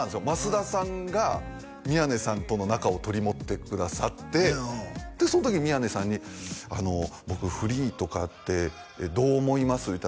増田さんが宮根さんとの仲を取り持ってくださってでその時宮根さんにあの僕フリーとかってどう思います？